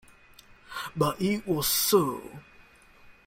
But it was so.